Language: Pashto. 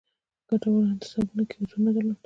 ګټورو انتصابونو کې حضور نه درلود.